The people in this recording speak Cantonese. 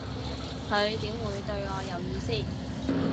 佢點會對我有意思